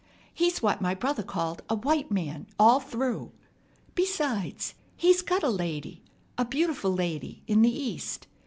He's what my brother called 'a white man all through.' Besides, he's got a lady, a beautiful lady, in the East.